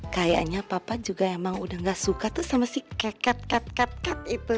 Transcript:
kayaknya papa juga emang udah gak suka tuh sama si keket kat kat kat itu